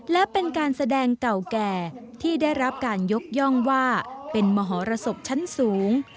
และเป็นการแสดงเก่าแก่ที่ได้รับการยกย่องว่าเป็นมหรสบชั้นสูง